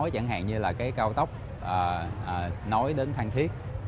chẳng hạn như là cái cao tốc nối đến phan thiết